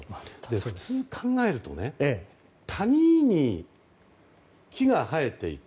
普通に考えると谷に木が生えていて